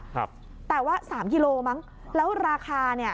ครับแต่ว่าสามกิโลมั้งแล้วราคาเนี้ย